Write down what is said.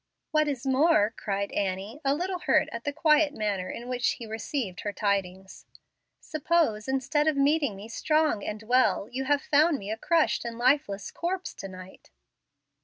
"What is more," cried Annie, a little hurt at the quiet manner in which he received her tidings, "suppose, instead of meeting me strong and well, you had found me a crushed and lifeless corpse to night?"